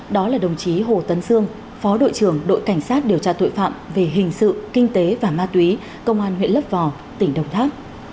đó là đồng chí hồ tấn xương phó đội trưởng đội cảnh sát điều tra tội phạm về hình sự kinh tế và ma túy công an huyện lấp vò tỉnh đồng tháp